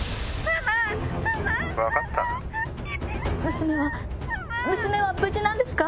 娘は娘は無事なんですか？